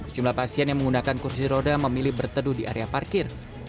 jumlah pasien yang menggunakan kursi roda memilih berteduh di area parkir